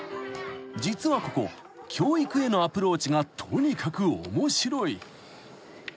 ［実はここ教育へのアプローチがとにかく面白い］